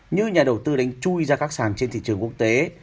như nhà đầu tư đánh chui ra các sàn trên thị trường quốc tế